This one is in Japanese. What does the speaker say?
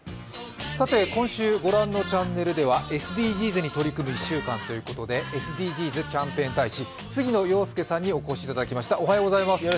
今週ご覧のチャンネルではＳＤＧｓに取り組むということてＳＤＧｓキャンペーン大使、杉野遥亮さんにお越しいただきました。